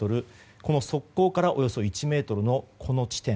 側溝から、およそ１ｍのこの地点。